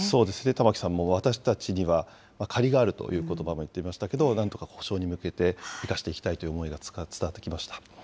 タマキさんも、私たちには借りがあるということばも言っていましたけれども、なんとか補償に向けて生かしていきたいという思いが伝わってきました。